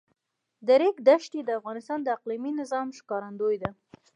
د ریګ دښتې د افغانستان د اقلیمي نظام ښکارندوی ده.